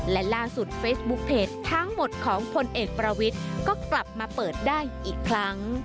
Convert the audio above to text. และล่าสุดเฟซบุ๊คเพจทั้งหมดของพลเอกประวิทย์ก็กลับมาเปิดได้อีกครั้ง